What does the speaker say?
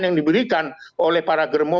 yang diberikan oleh para germo